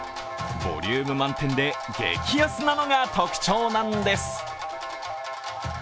ボリューム満点で激安なのが特徴なんです。